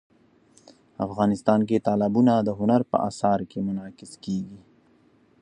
افغانستان کې تالابونه د هنر په اثار کې منعکس کېږي.